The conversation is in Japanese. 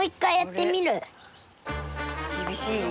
きびしいね。